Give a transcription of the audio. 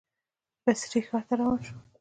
بصرې ښار ته روان شو.